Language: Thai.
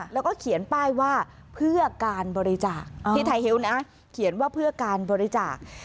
แล้วก็เขียนป้ายว่าเพื่อการบริจาคที่ไทยเฮลนะเขียนว่าเพื่อการบริจาค